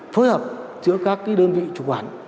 phối hợp giữa các đơn vị chủ quản